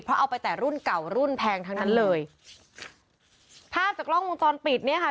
เพราะเอาไปแต่รุ่นเก่ารุ่นแพงทั้งนั้นเลยภาพจากกล้องวงจรปิดเนี่ยค่ะ